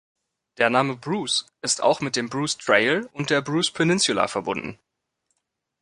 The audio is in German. Der Name Bruce ist auch mit dem Bruce Trail und der Bruce Peninsula verbunden.